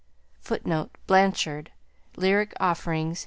[Footnote: Blanchard. Lyric Offerings.